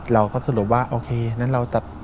เราก็สรุปว่าโอเคงั้นเราจะ